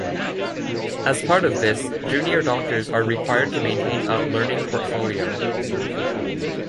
As part of this junior doctors are required to maintain a "learning portfolio".